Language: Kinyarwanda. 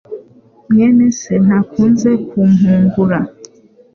mwene se ntakunze kumpungura